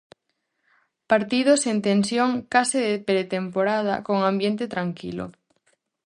Partido sen tensión, case de pretemporada, con ambiente tranquilo.